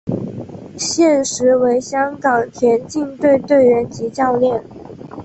现时为香港田径队队员及教练。